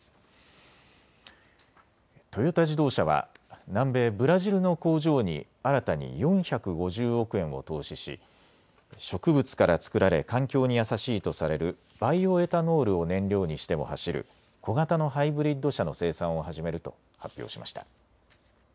トヨタ自動車は南米・ブラジルの工場に新たに４５０億円を投資し植物から作られ環境に優しいとされるバイオエタノールを燃料にしても走る小型のハイブリッド車の生産を始めると発表しました。